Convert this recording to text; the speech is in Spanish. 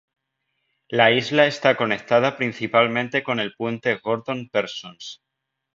La isla está conectada principalmente con el puente Gordon Persons.